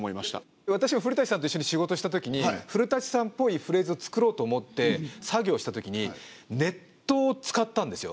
私は古さんと一緒に仕事したときに古さんっぽいフレーズを作ろうと思って作業したときにネットを使ったんですよ。